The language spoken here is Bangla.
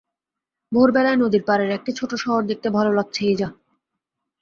ভোরবেলায় নদীর পাড়ের একটি ছোট শহর দেখতে ভালো লাগছে, এই যা!